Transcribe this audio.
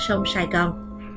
ở sài gòn